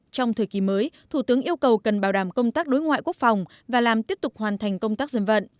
trong thời kỳ mới thủ tướng yêu cầu cần bảo đảm công tác đối ngoại quốc phòng và làm tiếp tục hoàn thành công tác dân vận